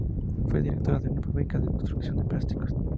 Fue directora de una fábrica de extrusión de plásticos.